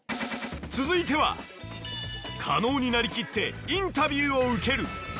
続いては加納になりきってインタビューを受ける。